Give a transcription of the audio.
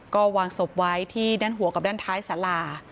ก็วางศพไว้ที่ด้านหัวกับด้านท้ายสารา